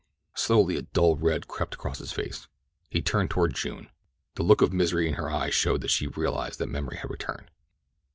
Slowly a dull red crept across his face. He turned toward June. The look of misery in her eyes showed that she realized that memory had returned.